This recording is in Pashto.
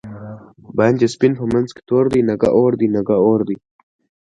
باندی سپین په منځ کی تور دی، نګه اوردی؛ نګه اوردی